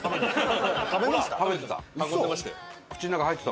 食べてた。